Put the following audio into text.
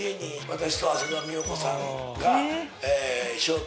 私と浅田美代子さんが。